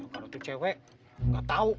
kalau itu cewek nggak tahu